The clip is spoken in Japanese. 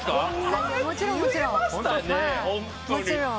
もちろんもちろん。